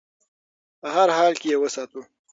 په هر حال کې یې وساتو.